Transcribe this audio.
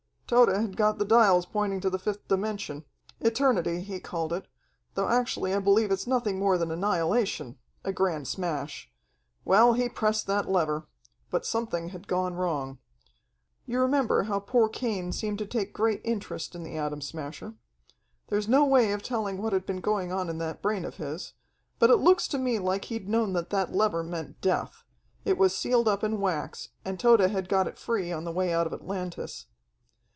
"Tode had got the dials pointing to the fifth dimension eternity, he called it, though actually I believe it's nothing more than annihilation, a grand smash. Well, he pressed that lever. But something had gone wrong. "You remember how poor Cain seemed to take great interest in the Atom Smasher. There's no way of telling what had been going on in that brain of his, but it looks to me like he'd known that that lever meant death. It was sealed up in wax, and Tode had got it free on the way out of Atlantis.